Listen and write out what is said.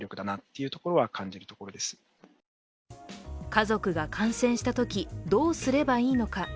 家族が感染したときどうすればいいのか。